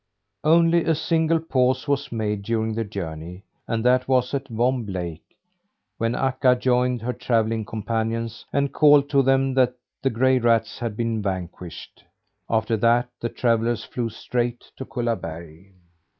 Only a single pause was made during the journey, and that was at Vomb Lake when Akka joined her travelling companions, and called to them that the gray rats had been vanquished. After that, the travellers flew straight to Kullaberg.